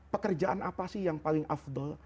pekerjaan apa sih yang paling afdol